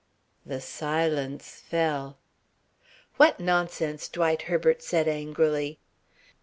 The silence fell. "What nonsense!" Dwight Herbert said angrily.